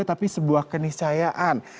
tetapi sebuah keniscayaan